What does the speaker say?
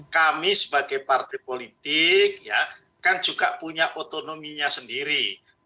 kami sebagai partai politik kan juga punya otonominya sendiri